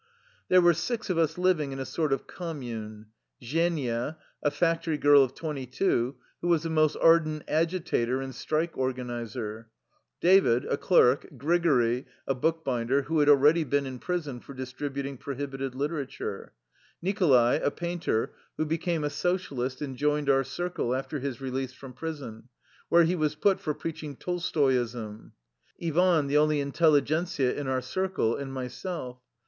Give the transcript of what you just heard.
There were six of us living in a sort of com mune, — Zhenia, a factory girl of twenty two, who was a most ardent agitator and strike or ganizer; David, a clerk; Grigory, a bookbinder, who had already been in prison for distributing prohibited literature; Nicholai, a painter, who became a socialist and joined our circle after his release from prison, where he was put for preaching Tolstoyism ; Ivan, the only intelliguent in our circle; and myself.